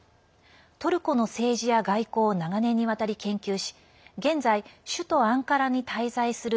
トルコの政治や外交を長年にわたり研究し現在、首都アンカラに滞在する